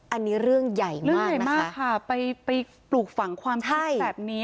อันนี้เรื่องใหญ่มากเรื่องใหญ่มากค่ะไปปลูกฝังความเชื่อแบบนี้